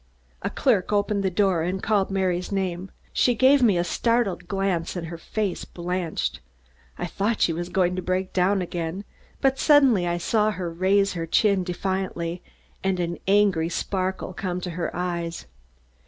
A clerk opened the door and called Mary's name. She gave me a startled glance and her face blanched. I thought she was going to break down again, but suddenly I saw her raise her chin defiantly and an angry sparkle come to her eyes.